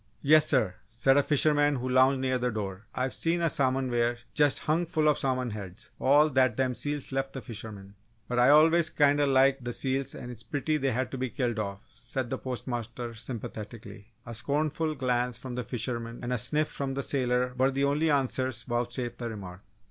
"Yes, sir!" said a fisherman who lounged near the door. "I've seen a salmon weir just hung full of salmon heads all that them seals left the fishermen!" "But I always kind'a liked the seals and it's a pity they has to be killed off," said the postmaster sympathetically. A scornful glance from the fisherman and a sniff from the sailor were the only answers vouchsafed the remark.